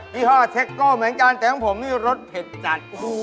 ี่ห้อเทคโก้เหมือนกันแต่ของผมนี่รสเผ็ดจัด